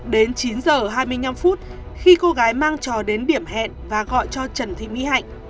đến chín h hai mươi năm phút khi cô gái mang trò đến điểm hẹn và gọi cho trần thị mỹ hạnh